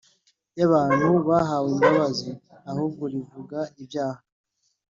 Y abantu bahawe imbabazi ahubwo rivuga ibyaha